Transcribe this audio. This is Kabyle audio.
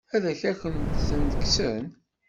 Ad akent-ten-kksen?